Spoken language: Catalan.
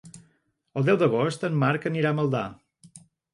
El deu d'agost en Marc anirà a Maldà.